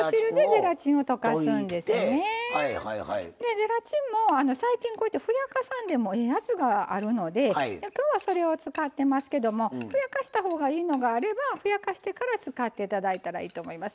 ゼラチンも最近ふやかさんでもええやつがあるのできょうはそれを使ってますけどもふやかしたほうがいいのがあればふやかしてから使っていただいたらいいと思います。